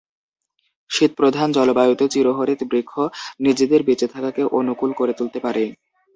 শীতপ্রধান জলবায়ুতে চিরহরিৎ বৃক্ষ নিজেদের বেঁচে থাকাকে অনুকূল করে তুলতে পারে।